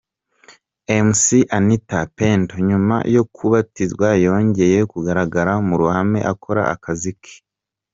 Mc Anita Pendo nyuma yo kubatizwa yongeye kugaragara mu ruhame akora akazi ke.